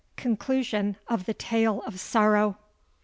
CONCLUSION OF THE TALE OF SORROW.